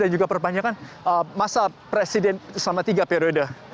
dan juga perpanjangan masa presiden selama tiga periode